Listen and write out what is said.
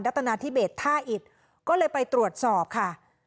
ตนาธิเบสท่าอิดก็เลยไปตรวจสอบค่ะ